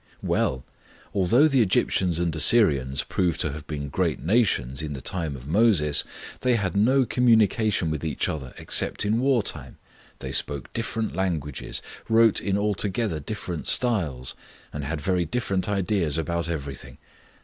'Well, although the Egyptians and Assyrians prove to have been great nations in the time of Moses, they had no communication with each other except in war time; they spoke different languages, wrote in altogether different styles, and had very different ideas about everything.